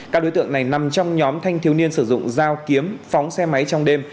các đối tượng này nằm trong nhóm thanh thiếu niên sử dụng dao kiếm phóng xe máy trong đêm